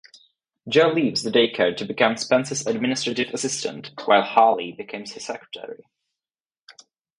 Joe leaves the daycare to become Spence's administrative assistant while Holly becomes his secretary.